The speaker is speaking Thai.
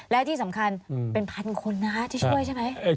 และที่สำคัญเป็นพันคนนะคะที่ช่วยใช่ไหม